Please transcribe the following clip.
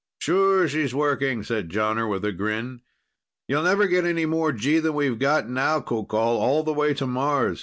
"Sure, she's working," said Jonner with a grin. "You'll never get any more G than we've got now, Qoqol, all the way to Mars.